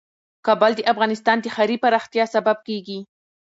کابل د افغانستان د ښاري پراختیا سبب کېږي.